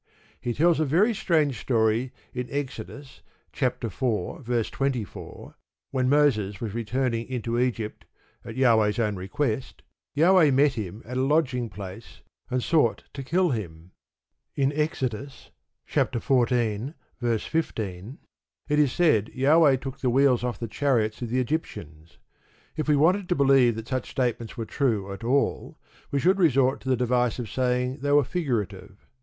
He tells a very strange story in Exodus iv. 24, that when Moses was returning into Egypt, at Jahweh's own request, Jahweh met him at a lodging place, and sought to kill him. In Exodus xiv. 15 it is said Jahweh took the wheels off the chariots of the Egyptians. If we wanted to believe that such statements were true at all, we should resort to the device of saying they were figurative.